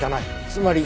つまり。